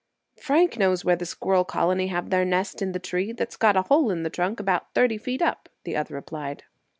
"Frank knows where that squirrel colony have their nest in the tree that's got a hole in the trunk about thirty feet up," the other replied.